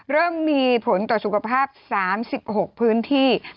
เริ่มมีผลต่อสุขภาพ๓๖พื้นที่